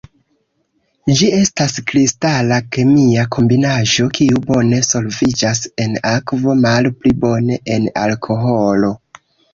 Ĝi estas kristala kemia kombinaĵo, kiu bone solviĝas en akvo, malpli bone en alkoholo.